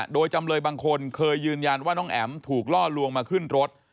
โดยจำเลยบางคนเคยยืนยันว่าน้องแอ๋มถูกล่อลวงมาขึ้นรถ